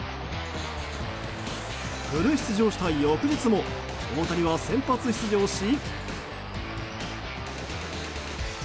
フル出場した翌日も大谷は先発出場し。